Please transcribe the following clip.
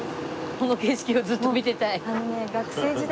この景色をずっと見ていたい？